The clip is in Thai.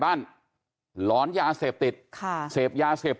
ผู้ใหญ่บ้านหลอนยาเศษบติดค่ะเศษบยาเศษบ